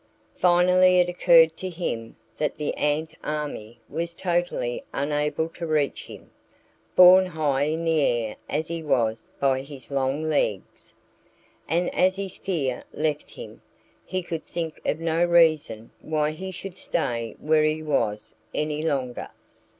Finally it occurred to him that the ant army was totally unable to reach him, borne high in the air as he was by his long legs. And as his fear left him, he could think of no reason why he should stay where he was any longer.